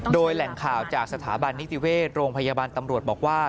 โดยแหล่งข่าวจากสถาบันนิติเวชโรงพยาบาลตำรวจบอกว่า